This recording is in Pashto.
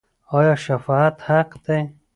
آیا شفاعت حق دی؟